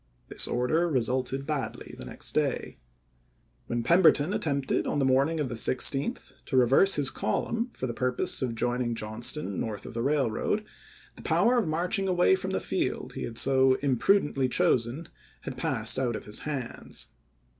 This order resulted badly the next day. GRANT'S MAY BATTLES IN MISSISSIPPI 189 When Pemberton attempted, on the morning of chap.vii. the 16th, to reverse his column, for the purpose May, 1863. of joining Johnston north of the railroad, the power of marching away from the field he had so impru dently chosen had passed out of his hands.